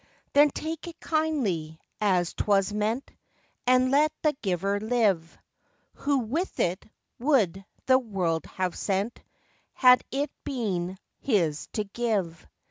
Then take it kindly, as 'twas meant, And let the giver live, Who, with it, would the world have sent Had it been his to give.